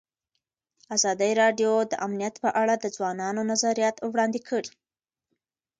ازادي راډیو د امنیت په اړه د ځوانانو نظریات وړاندې کړي.